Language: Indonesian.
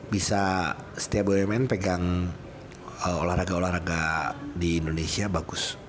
bisa setiap bumn pegang olahraga olahraga di indonesia bagus